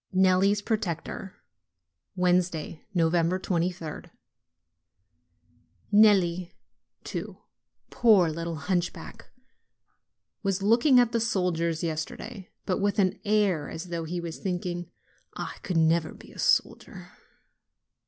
NELLI'S PROTECTOR Wednesday, 23d. Nelli, too, poor little hunchback! was looking at the soldiers yesterday, but with an air as though he were thinking, "I can never be a soldier!"